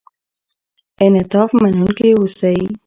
انعطاف منونکي اوسئ.